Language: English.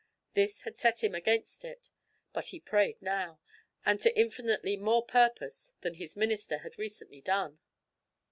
This had set him against it. But he prayed now, and to infinitely more purpose than his minister had recently done.